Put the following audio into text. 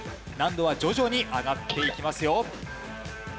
難度は徐々に上がっていきますよ。